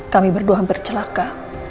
kami berdua hampir celaka